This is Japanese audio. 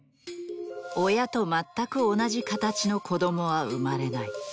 親と全く同じ形の子供は生まれない。